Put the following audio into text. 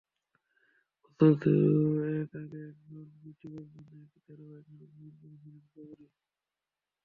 বছর দু-এক আগে একবার বিটিভির জন্য একটি ধারাবাহিক নাটক নির্মাণ করেছিলেন কবরী।